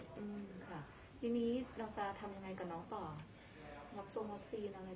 ทีนี้เราจะทำยังไงกับน้องต่อ